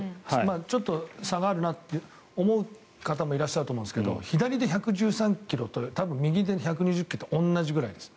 ちょっと差があるなと思う方もいらっしゃると思うんですけど左で１１３ｋｍと右で１２０ｋｍって同じぐらいです。